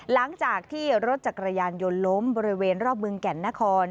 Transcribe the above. หลังจากที่รถจักรยานยนต์ล้มบริเวณรอบเมืองแก่นนคร